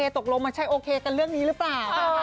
ตกลงมันใช่โอเคกันเรื่องนี้หรือเปล่า